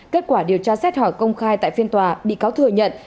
kết quả điều tra xét hỏi công khai tại phiên tòa bị cáo thừa nhận